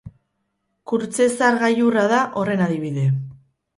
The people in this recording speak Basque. Kurtzezar gailurra da horren adibide.